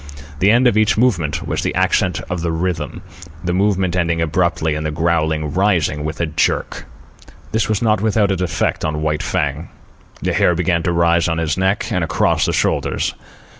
The end of each movement was the accent of the rhythm, the movement ending abruptly and the growling rising with a jerk. This was not without its effect on White Fang. The hair began to rise on his neck and across the shoulders.